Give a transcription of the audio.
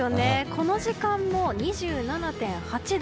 この時間も２７．８度。